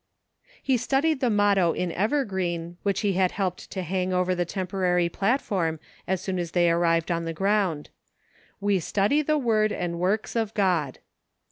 He studied the motto in evergreen, which he had helped to hang over the temporary plat form as soon as they arrived on the ground. " We study the word and works of God."